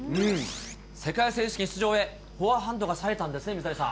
世界選手権出場へ、フォアハンドがさえたんですね、水谷さん。